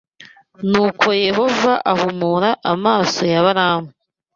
Nuko Yehova ahumura amaso ya Balamu